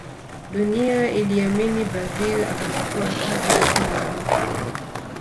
dunia iliamini brazil atachukua taji la kombe la dunia